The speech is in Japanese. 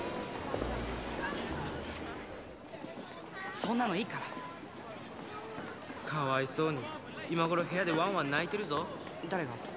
そんなのいいからかわいそうに今頃部屋でわんわん泣いてるぞ誰が？